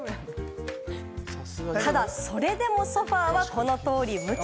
ただそれでもソファはこの通り無傷。